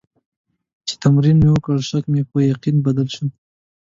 چې تمرین مې وکړ، شک مې په یقین بدل شو.